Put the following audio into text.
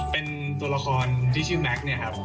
เป็นตัวละครที่ชื่อแม็กซ์เนี่ยครับ